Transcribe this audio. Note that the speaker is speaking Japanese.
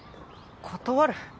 断る？